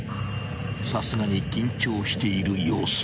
［さすがに緊張している様子］